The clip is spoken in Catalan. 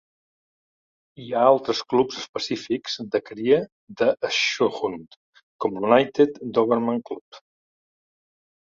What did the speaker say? Hi ha altres clubs específics de cria de Schutzhund, com l'United Doberman Club.